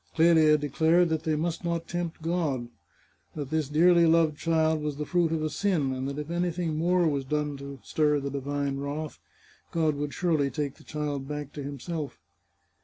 Clelia declared that they must not tempt God ; that this dearly loved child was the fruit of a sin, and that if anything more was done to stir the divine wrath, God would surely take the child back to himself.